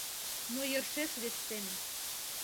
Но йӧршеш вес семын.